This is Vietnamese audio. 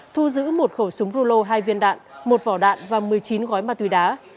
thu giữ một khẩu súng rulo hai viên đạn một vỏ đạn và một mươi chín gói ma túy đá